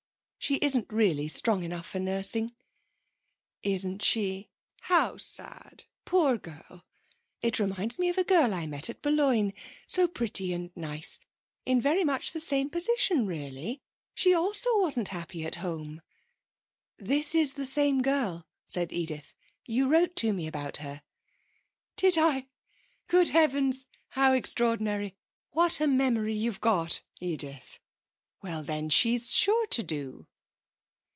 She isn't really strong enough for nursing.' 'Isn't she? How sad, poor girl. It reminds me of a girl I met at Boulogne. So pretty and nice. In very much the same position really. She also wasn't happy at home ' 'This is the same girl,' said Edith. 'You wrote to me about her.' 'Did I? Good heavens, how extraordinary! What a memory you've got, Edith. Well, then, she's sure to do.'